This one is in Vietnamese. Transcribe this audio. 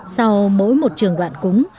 sau mỗi một trường đoạn cúng